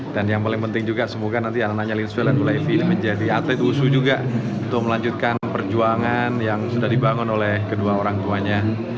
dan yang paling penting juga semoga nanti anak anaknya lin swell dan hulaifi menjadi atlet wushu juga untuk melanjutkan perjuangan yang sudah dibangun oleh kedua orang tuanya